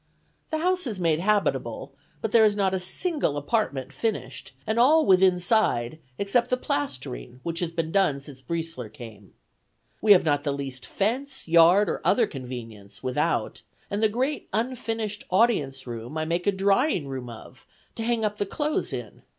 The house is made habitable, but there is not a single apartment finished, and all withinside, except the plastering, has been done since Briesler came. We have not the least fence, yard, or other convenience, without, and the great unfinished audience room I make a drying room of, to hang up the clothes in.